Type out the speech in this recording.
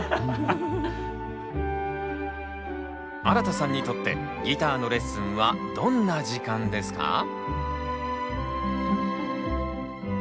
あらたさんにとってギターのレッスンはどんな時間ですか？